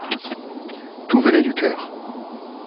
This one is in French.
Tout venait du cœur.